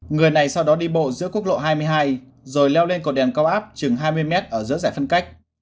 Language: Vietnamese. người này sau đó đi bộ giữa quốc lộ hai mươi hai rồi leo lên cổ đèn cao áp chừng hai mươi m ở giữa rải phân cách